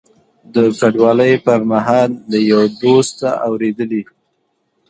د کډوالۍ پر مهال له یوه دوست اورېدلي.